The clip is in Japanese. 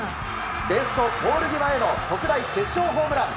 レフトポール際への特大決勝ホームラン。